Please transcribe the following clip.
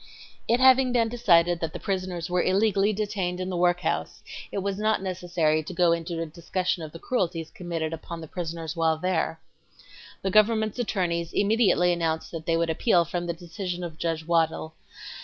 ... It having been decided that the prisoners were illegally detained in the workhouse, it was not necessary to go into a discussion of the cruelties committed upon the prisoners while there. The government's attorneys immediately announced that they would appeal from the decision of Judge Waddill.